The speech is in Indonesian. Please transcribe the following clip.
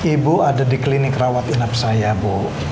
ibu ada di klinik rawat inap saya bu